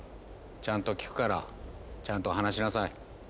ちゃんと聞くからちゃんと話しなさい。